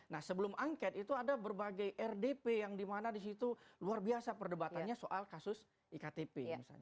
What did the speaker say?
nah sebelum angket itu ada berbagai rdp yang di mana di situ luar biasa perdebatannya soal kasus iktp